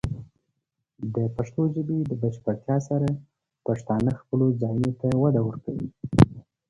د پښتو ژبې د بشپړتیا سره، پښتانه خپلو ځایونو ته وده ورکوي.